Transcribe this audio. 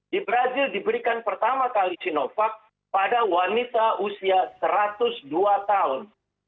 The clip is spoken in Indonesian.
di brazil diberikan pertama kali sinovac pada wanita usia satu ratus dua tahun